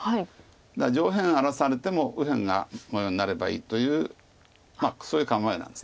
だから上辺荒らされても右辺が模様になればいいというまあそういう構えなんです。